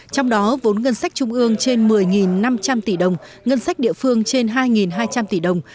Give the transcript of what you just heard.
trong đó vốn ngân sách trung ương trên một mươi năm trăm linh tỷ đồng ngân sách địa phương trên hai hai trăm linh tỷ đồng